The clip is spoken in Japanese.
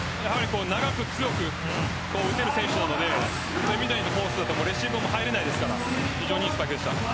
長く強く打てる選手なので今みたいなコースだとレシーブも入れないですからいいスパイクでした。